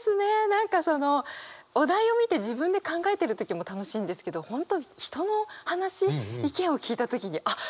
何かそのお題を見て自分で考えてる時も楽しいんですけど本当人の話意見を聞いた時にあっ